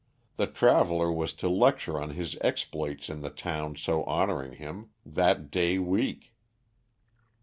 The traveller was to lecture on his exploits in the town so honouring him, that day week.